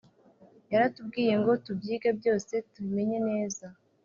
Yaratubwiye ngo tubyige byose tubimenye neza